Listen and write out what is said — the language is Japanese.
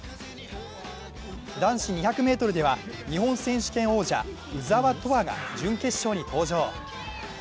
男子２００ｍでは日本選手権王者、鵜澤飛羽が準決勝に登場。